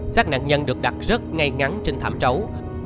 sát nạn nhân được đặt rất ngay ngắn trên thảm trấu